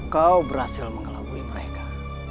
kau berhasil menghalabuhi mereka